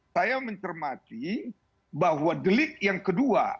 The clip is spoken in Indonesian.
saya mencermati bahwa delik yang kedua